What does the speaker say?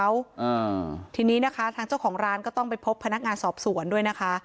อ่าทีนี้นะคะทางเจ้าของร้านก็ต้องไปพบพนักงานสอบสวนด้วยนะคะ